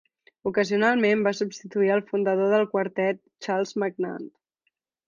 Ocasionalment va substituir el fundador del quartet Charles Magnante.